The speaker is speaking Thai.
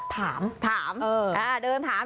ถามถาม